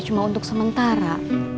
cuma untuk sementara